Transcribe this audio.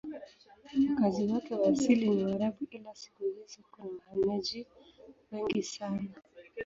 Wakazi wake wa asili ni Waarabu ila siku hizi kuna wahamiaji wengi sana.